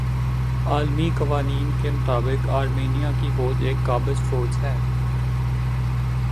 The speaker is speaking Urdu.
عالمی قوانین کے مطابق آرمینیا کی فوج ایک قابض فوج ھے